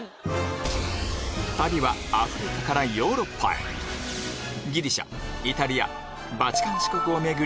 旅はアフリカからヨーロッパへギリシャイタリアバチカン市国を巡り